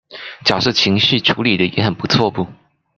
角色情緒處理的也很不錯不